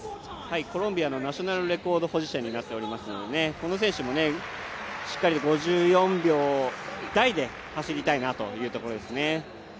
コロンビアのナショナルレコード保持者になっていますので、この選手もしっかりと５４秒台で走りたいというところですね。